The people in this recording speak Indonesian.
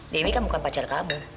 demi kan bukan pacar kamu